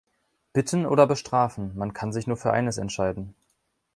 Bitten oder bestrafen – man kann sich nur für eines entscheiden.